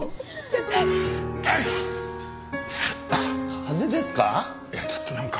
風邪ですか？